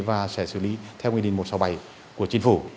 và sẽ xử lý theo nguyên định một trăm sáu mươi bảy của chính phủ